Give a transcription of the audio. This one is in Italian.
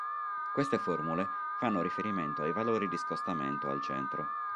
Queste formule fanno riferimento ai valori di scostamento al centro.